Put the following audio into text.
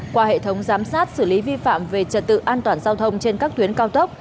qua hệ thống giám sát xử lý vi phạm về trật tự an toàn giao thông trên các tuyến cao tốc